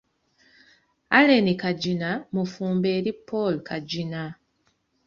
Allen Kagina mufumbo eri Paul Kagina